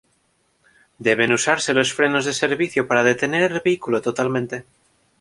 Deben usarse los frenos de servicio para detener el vehículo totalmente.